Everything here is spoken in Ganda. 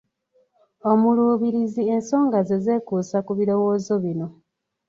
Omuluubirizi ensonga ze zeekuuse ku birowoozo bino: